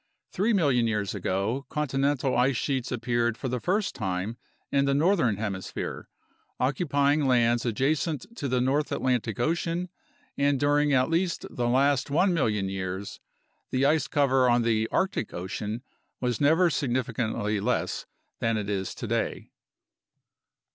Three million years ago continental ice sheets appeared for the first time in the northern hemisphere, occupying lands adjacent to the North Atlantic Ocean, and during at least the last 1 mil lion years the ice cover on the Arctic Ocean was never significantly less than it is today.